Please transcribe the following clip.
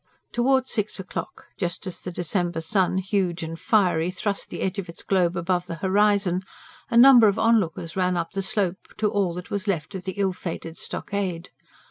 Towards six o'clock, just as the December sun, huge and fiery, thrust the edge of its globe above the horizon, a number of onlookers ran up the slope to all that was left of the ill fated stockade.